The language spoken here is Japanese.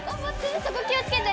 そこ気をつけて。